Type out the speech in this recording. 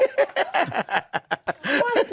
ฮ่าห้า